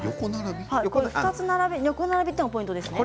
横並びがポイントですね。